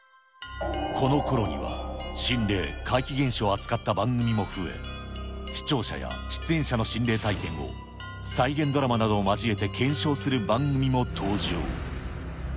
このころには、心霊・怪奇現象を扱った番組も増え、視聴者や出演者の心霊体験を再現ドラマなどを交えて検証する番組も登場。